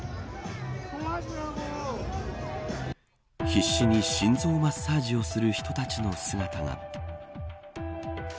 必死に心臓マッサージをする人たちの姿が。